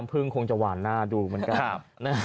ก็ต้องระวังหน้าดูมันกล้าม